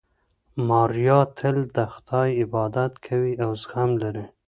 ماریا تل د خدای عبادت کوي او زغم لري.